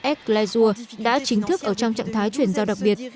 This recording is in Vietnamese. egliseur đã chính thức ở trong trạng thái chuyển giao đặc biệt